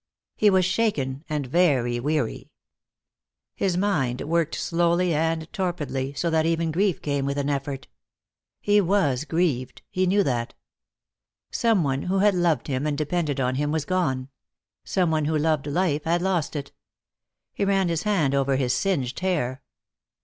He was shaken and very weary. His mind worked slowly and torpidly, so that even grief came with an effort. He was grieved; he knew that. Some one who had loved him and depended on him was gone; some one who loved life had lost it. He ran his hand over his singed hair.